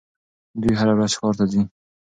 دوی هره ورځ ښار ته ځي.